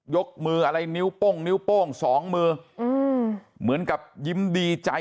ยกมืออะไรนิ้วโป้งนิ้วโป้งสองมืออืมเหมือนกับยิ้มดีใจ